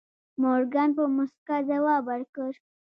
مورګان په موسکا ځواب ورکړ.